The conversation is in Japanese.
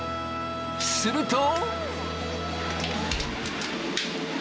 すると。